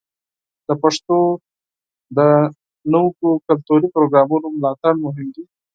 د پښتو د نویو کلتوري پروګرامونو ملاتړ مهم دی.